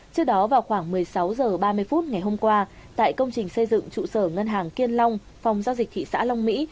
trước đó vào khoảng một mươi sáu h ba mươi phút ngày hôm qua tại công trình xây dựng trụ sở ngân hàng kiên long phòng giao dịch thị xã long mỹ